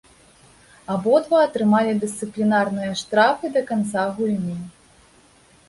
Абодва атрымалі дысцыплінарныя штрафы да канца гульні.